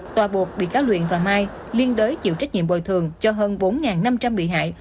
tòa buộc bị cáo luyện và mai liên đối chịu trách nhiệm bồi thường cho hơn bốn năm trăm linh bị hại